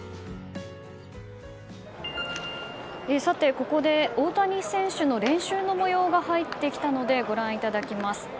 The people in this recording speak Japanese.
ここで大谷選手の練習の模様が入ってきたのでご覧いただきます。